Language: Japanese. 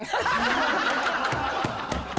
ハハハハ！